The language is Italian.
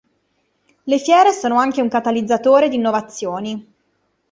Le fiere sono anche un catalizzatore di innovazioni.